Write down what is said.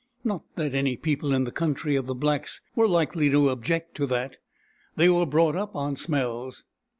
Not that any people in the country of the blacks were likely to object to that. They were brought up on smells.